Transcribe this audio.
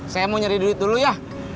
saya mau nyari duit dulu ya